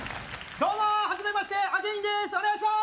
どうもはじめましてアゲインです